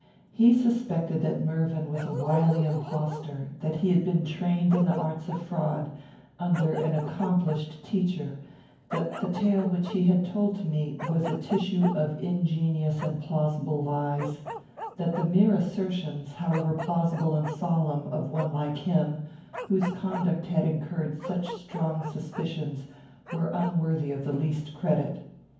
He suspected that Mervyn was a wily impostor; that he had been trained in the arts of fraud, under an accomplished teacher; that the tale which he had told to me was a tissue of ingenious and plausible lies; that the mere assertions, however plausible and solemn, of one like him, whose conduct had incurred such strong suspicions, were unworthy of the least credit.